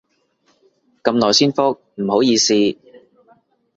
咁耐先覆，唔好意思